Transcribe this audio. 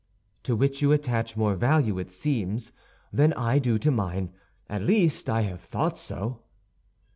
"To which you attach more value, it seems, than I do to mine; at least, I have thought so."